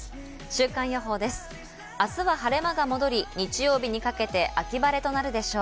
週間予報です。